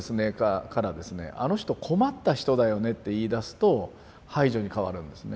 「あの人困った人だよね」って言いだすと排除に変わるんですね。